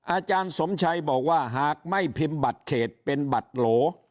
อาจารย์สมชัยบอกว่าหากไม่พิมพ์บัตรเขตเป็นบัตรโหล